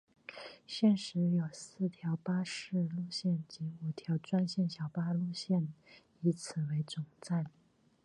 现时有四条巴士路线及五条专线小巴路线以此为总站。